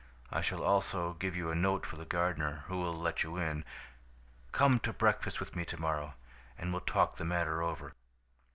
I shall also give you a note for the gardener, who will let you in. "'Come to breakfast with me to morrow, and we'll talk the matter over.'